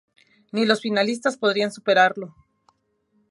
Ni los finalistas podrían superarlo.